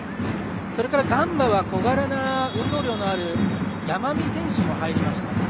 それからガンバは小柄な運動量のある山見選手も入りました。